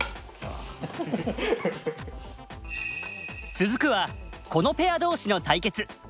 続くはこのペア同士の対決。